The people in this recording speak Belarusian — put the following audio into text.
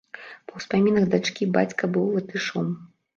Па ўспамінах дачкі, бацька быў латышом.